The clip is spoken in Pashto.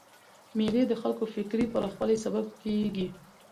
مېلې د خلکو د فکري پراخوالي سبب کېږي.